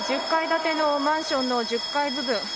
１０階建てのマンションの１０階部分。